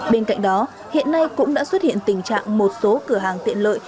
bên cạnh đó hiện nay cũng đã xuất hiện tình trạng một số cửa hàng tiện lợi